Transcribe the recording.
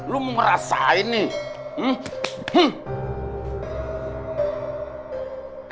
lu mau merasain nih